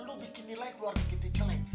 lu bikin nilai keluarga kita jelek